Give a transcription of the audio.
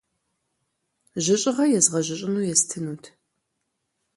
Жьыщӏыгъэ езгъэжьыщӏыну естынут.